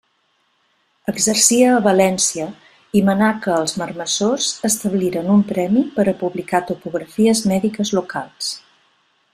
Exercia a València i manà que els marmessors establiren un premi per a publicar topografies mèdiques locals.